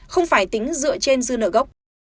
không phải tính dựa trên dư nợ gốc